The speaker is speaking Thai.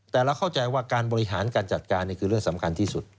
แต่เราเข้าใจว่าการบริหารการจัดการนี่คือเรื่องสำคัญที่สุด